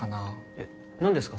えっ何ですか？